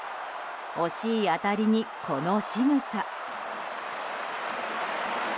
惜しい当たりに、このしぐさ。